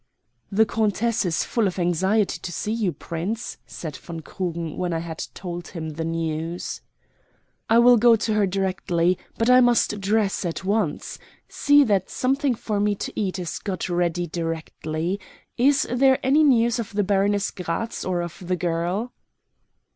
"The countess is full of anxiety to see you, Prince," said von Krugen when I had told him the news. "I will go to her directly, but I must dress at once. See that something for me to eat is got ready directly. Is there any news of the Baroness Gratz or of the girl?"